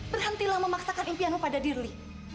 berhentilah memaksakan impianmu pada dirli